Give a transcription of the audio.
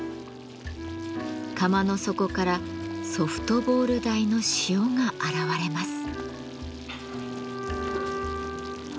釜の底からソフトボール大の塩が現れます。